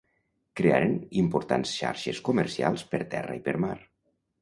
Crearen importants xarxes comercials per terra i per mar.